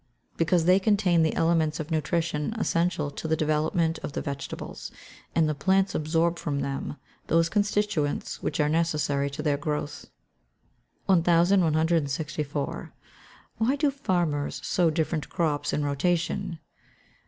_ Because they contain the elements of nutrition essential to the development of the vegetables, and the plants absorb from them those constituents which are necessary to their growth. 1164. _Why do farmers sow different crops in rotation?